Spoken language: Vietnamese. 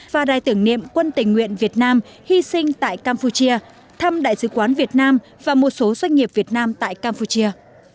và đài tưởng niệm quân tình nguyện việt nam hy sinh tại campuchia thăm đại sứ quán việt nam và một số doanh nghiệp việt nam tại campuchia